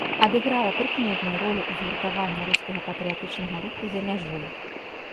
Адыграла прыкметную ролю ў згуртаванні рускага патрыятычнага руху за мяжой.